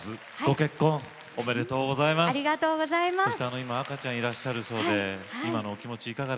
今赤ちゃんがいらっしゃるそうで、お気持ちは。